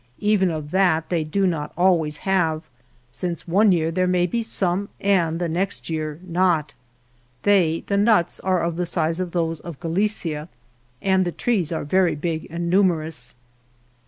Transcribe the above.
Even of that they do not al ways have, since one year there may be some and the next year not. They (the nuts) are of the size of those of Galicia, and the trees are very big and numerous.